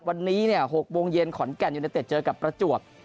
วันนี้๖โมงเย็นขอนแก่นยูเนเต็ดเจอกับประจวบ